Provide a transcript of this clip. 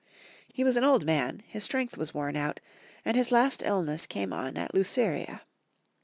He was an old man, his strength was worn out, and his last illness came on at Luceria.